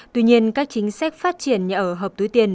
tuy nhiên các chính sách phát triển nhà ở hợp túi tiền